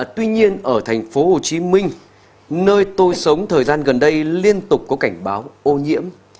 tuy nhiên ở tp hcm nơi tôi sống thời gian gần đây liên tục có cảnh báo ô nhiễm